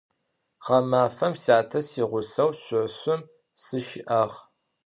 Ğemafem syate siğuseu şsofım sışı'ağ.